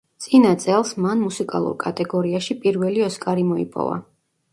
წინა წელს, მან, მუსიკალურ კატეგორიაში პირველი ოსკარი მოიპოვა.